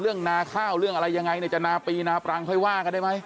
นาข้าวเรื่องอะไรยังไงเนี่ยจะนาปีนาปรังค่อยว่ากันได้ไหม